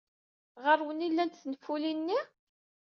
Ɣer-wen ay llant tenfulin-nni?